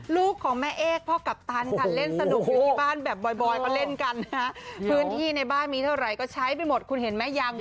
ลูกของแม่เอกพ่อกัปตานีทัน